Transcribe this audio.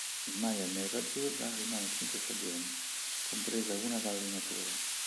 In maglia neroazzurra rimane cinque stagioni, compresa una da allenatore.